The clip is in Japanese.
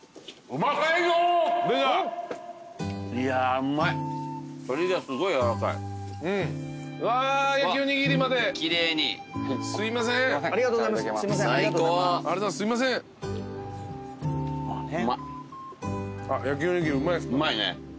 うまいね。